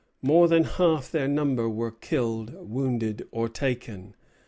More than half their number were killed, wounded, or taken.